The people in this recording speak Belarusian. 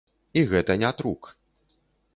І гэта не трук.